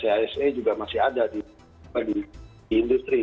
standar cise juga masih ada di industri